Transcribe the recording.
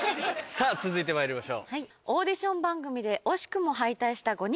さぁ続いてまいりましょう。